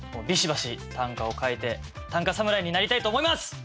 びしばし短歌を書いて短歌侍になりたいと思います！